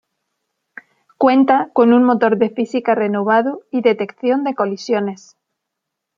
Cuenta con un motor de física renovado y detección de colisiones.